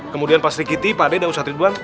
kemudian pas rikiti pak deda ustadz ridwan